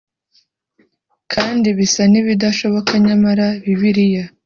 kandi bisa n ibidashoboka nyamara bibiliya